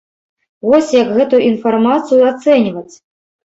Вось як гэту інфармацыю ацэньваць?